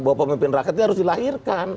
bahwa pemimpin rakyat itu harus dilahirkan